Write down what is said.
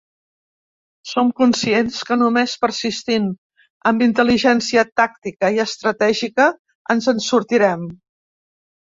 Som conscients que només persistint, amb intel·ligència tàctica i estratègica ens en sortirem.